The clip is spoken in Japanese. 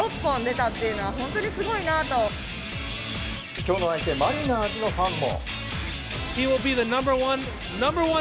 今日の相手マリナーズのファンも。